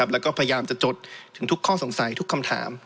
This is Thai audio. แล้วก็พยายามจะจดถึงทุกข้อสงสัยทุกคำถาม